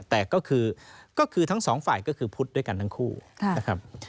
แต่ก็คือทั้งสองฝ่ายก็คือพุทธด้วยกันทั้งคู่นะครับ